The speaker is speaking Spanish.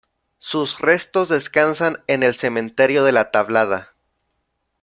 Sus restos descansan en el Cementerio de La Tablada.